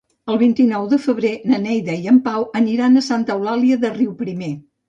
El vint-i-nou de febrer na Neida i en Pau aniran a Santa Eulàlia de Riuprimer.